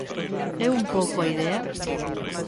É un pouco a idea?